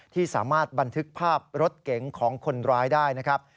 ที่สามารถบันทึกภาพรถเก๋งของคนร้ายได้นะครับ